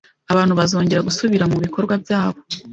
abantu bazongera gusubira mu bikorwa byabo